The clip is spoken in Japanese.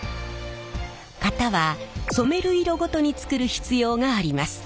型は染める色ごとに作る必要があります。